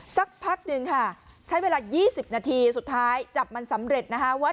สักพักหนึ่งค่ะใช้เวลา๒๐นาทีสุดท้ายจับมันสำเร็จนะคะว่า